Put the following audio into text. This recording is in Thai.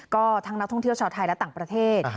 ก็ทั้งนักท่องเที่ยวชาวไทยและต่างประเทศ